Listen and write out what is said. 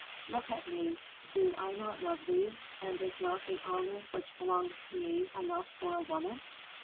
Look at me. Do I not love thee, and is not the honor which belongs to me enough for a woman?"